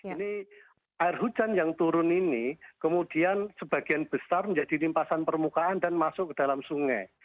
ini air hujan yang turun ini kemudian sebagian besar menjadi limpasan permukaan dan masuk ke dalam sungai